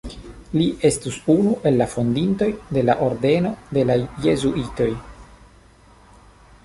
Li estis unu el la fondintoj de la ordeno de la jezuitoj.